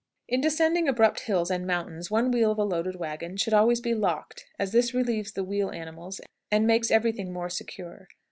In descending abrupt hills and mountains one wheel of a loaded wagon should always be locked, as this relieves the wheel animals and makes every thing more secure.